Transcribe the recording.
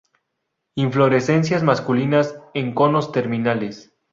Inflorescencias masculinas en conos terminales.